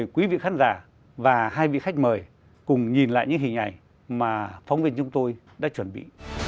quý vị khán giả và hai vị khách mời cùng nhìn lại những hình ảnh mà phóng viên chúng tôi đã chuẩn bị